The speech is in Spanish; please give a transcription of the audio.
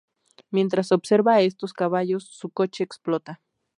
Mientras observa a estos caballos, su coche explota.